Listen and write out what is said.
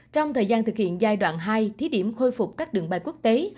trong thời gian thực hiện giai đoạn hai thí điểm khôi phục các đường bay quốc tế